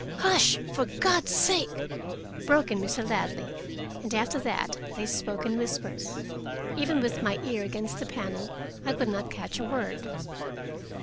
"Hush, for God's sake!" broke in Mr. Ladley, and after that they spoke in whispers. Even with my ear against the panel, I could not catch a word.